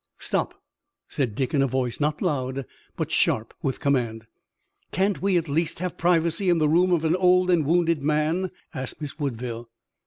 "Stop!" said Dick in a voice not loud, but sharp with command. "Can't we at least have privacy in the room of an old and wounded man?" asked Miss Woodville.